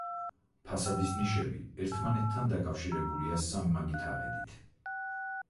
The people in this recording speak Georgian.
ფასადის ნიშები ერთმანეთთან დაკავშირებულია სამმაგი თაღედით.